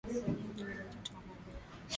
Nyinyi ni watoto wa Maria.